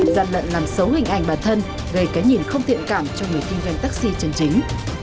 gian lận làm xấu hình ảnh bản thân gây cái nhìn không thiện cảm cho người kinh doanh taxi chân chính